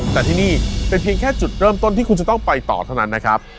แต่ที่นี่เป็นเพียงแค่จุดเริ่มต้นที่คุณจะต้องไปต่อเท่านั้นนะครับ